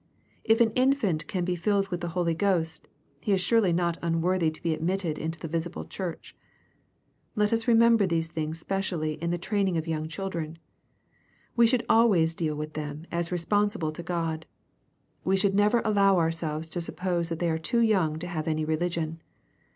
If an infant can be filled with the Holy Ghost, he is surely not unworthy to be admitted into the visible churchy Let us remember these things specially in the training of young chil dren We should always deal with them as responsible to God. We should never allow ourselves to suppose that they are too young to have any religion.